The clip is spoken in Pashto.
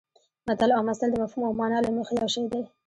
متل او مثل د مفهوم او مانا له مخې یو شی دي